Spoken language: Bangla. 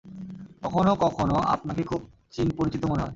কখনও কখনও আপনাকে খুব চিন পরিচিত মনে হয়।